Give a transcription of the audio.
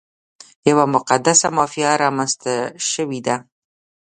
یوه مقدسه مافیا رامنځته شوې ده.